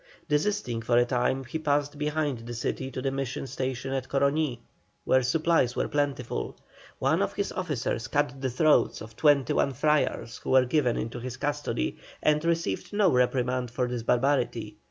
Desisting for a time, he passed behind the city to the mission station at Coroní, where supplies were plentiful. One of his officers cut the throats of twenty two friars who were given into his custody, and received no reprimand for his barbarity.